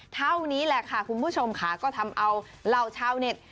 เท่านี้แหละค่ะคุณผู้ชมค่ะก็ทำเอาเหล่าชาวเน็ต